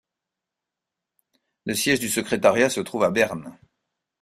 Le siège du Secrétariat se trouve à Berne.